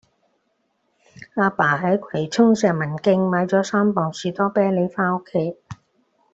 亞爸喺葵涌石文徑買左三磅士多啤梨返屋企